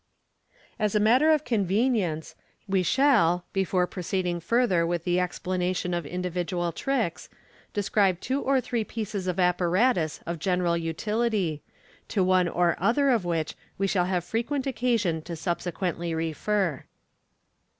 As a matter of convenience, we shall, before proceeding further with the explanation of individual tricks, describe two or three pieces of apparatus of general utility, to one or other of which we shall have frequent occasion to subsequently refer.